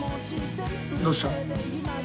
どうした？